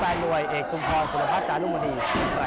มวยเอกชุมพรสุรพัฒน์จารุมณี